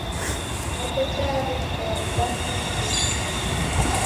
Neko tayari kwa w'asi mw'ishi.